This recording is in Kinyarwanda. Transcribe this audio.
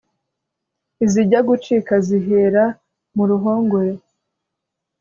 Izijya gucika zihera muruhongore